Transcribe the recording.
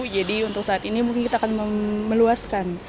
jadi untuk saat ini mungkin kita akan meluaskan